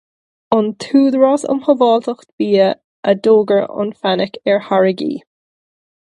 An tÚdarás um Shábháilteacht Bia a d'fhógair an fainic ar tháirgí